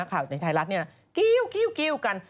ข่าวในไทยรัฐนี้กิ้วกิ้วกิ้วกัน